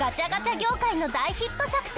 業界の大ヒット作と。